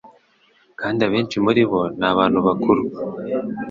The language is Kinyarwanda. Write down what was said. kandi abenshi muri bo ni abantu bakuru